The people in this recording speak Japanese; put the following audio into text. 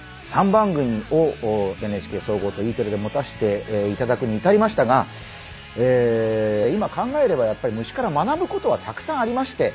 ３番組をＮＨＫ総合とＥテレで持たせていただくに至りましたが今考えればやっぱり虫から学ぶことはたくさんありまして